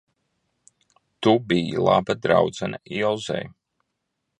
Tu biji laba draudzene Ilzei.